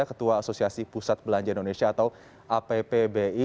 ketua asosiasi pusat belanja indonesia atau appbi